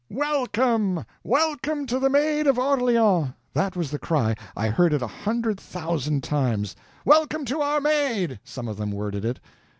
"Welcome! welcome to the Maid of Orleans!" That was the cry; I heard it a hundred thousand times. "Welcome to our Maid!" some of them worded it.